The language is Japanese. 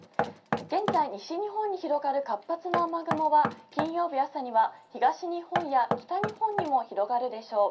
現在、西日本に広がる活発な雨雲は金曜日朝には東日本や北日本にも広がるでしょう。